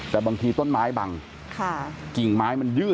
กลิ่งไม้มันยื่นออกมาอือ